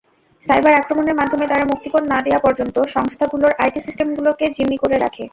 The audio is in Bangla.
সাইবার আক্রমণের মাধ্যমে তারা মুক্তিপণ না দেয়া পর্যন্ত সংস্থাগুলোর আইটি সিস্টেমগুলোকে জিম্মি করে রাখে।